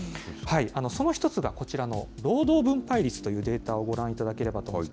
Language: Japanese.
その１つがこちらの労働分配率というデータをご覧いただければと思います。